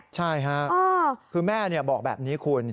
ใช่ค่ะคือแม่บอกแบบนี้คุณ